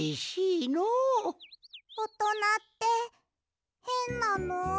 おとなってへんなの。